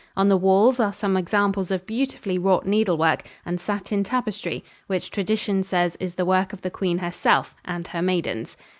On the walls are some examples of beautifully wrought needlework and satin tapestry which tradition says is the work of the queen herself and her maidens.